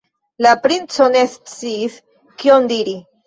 La princo ne sciis, kion diri.